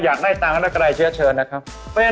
อยากได้ได้กระดายเชื้อเชิญนะครับ